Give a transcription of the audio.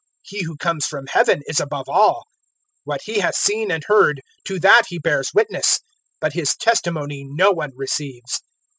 He who comes from Heaven is above all. 003:032 What He has seen and heard, to that He bears witness; but His testimony no one receives.